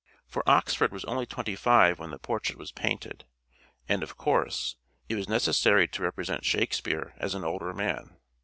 For Oxford was only twenty five when the portrait was painted, and, of course, it was necessary to represent Shakespeare as an older man.